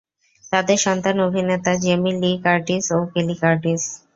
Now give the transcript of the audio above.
তাদের সন্তান অভিনেতা জেমি লি কার্টিস ও কেলি কার্টিস।